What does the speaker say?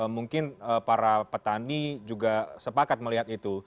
mungkin para petani juga sepakat melihat itu